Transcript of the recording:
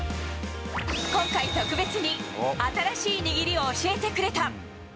今回、特別に、新しい握りを教えてくれた。